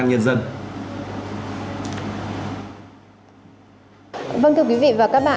lúc này đây thì quý vị đang ngồi trước mâm cơm để chuẩn bị chào đón cho một năm mới